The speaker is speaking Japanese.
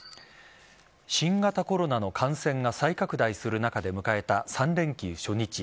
新型コロナの感染が再拡大する中で迎えた３連休初日。